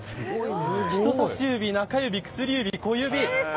人さし指、中指薬指、小指。